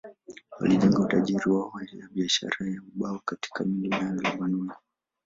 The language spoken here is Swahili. Walijenga utajiri wao juu ya biashara ya ubao kutoka milima ya Lebanoni.